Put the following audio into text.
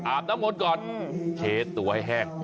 อาบน้ำมนต์ก่อนเคตัวให้แห้ง